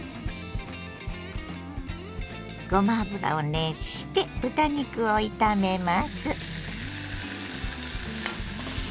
ごま油を熱して豚肉を炒めます。